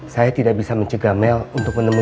saya tidak bisa mencegah mel untuk menemui